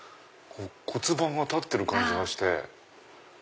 骨盤が立ってる感じがして。